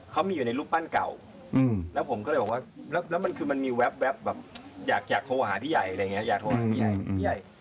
เขามีอยู่ในรูปปั้นเก่าแล้วผมก็เลยบอกว่าแล้วมันคือมันมีแว๊บแบบอยากโทรหาพี่ใหญ่อะไรอย่างนี้